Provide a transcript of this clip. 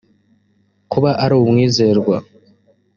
kuba ari umwizerwa